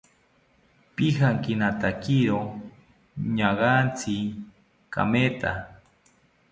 Pijankinatakiro ñaagantzi kametha